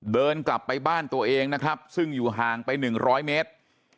เดินกลับไปบ้านตัวเองนะครับซึ่งอยู่ห่างไป๑๐๐เมตร